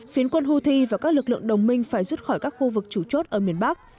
phiến quân houthi và các lực lượng đồng minh phải rút khỏi các khu vực chủ chốt ở miền bắc